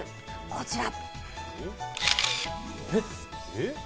こちら。